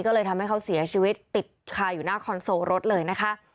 ก็เลยทำให้เขาเสียชีวิตติดคาอยู่หน้าคอนโซลรถเลยนะคะ